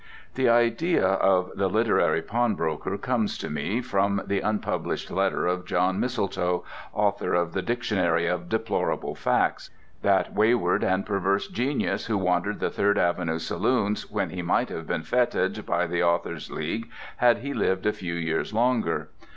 The idea of the literary pawnbroker comes to me from the (unpublished) letters of John Mistletoe, author of the "Dictionary of Deplorable Facts," that wayward and perverse genius who wandered the Third Avenue saloons when he might have been fêted by the Authors' League had he lived a few years longer.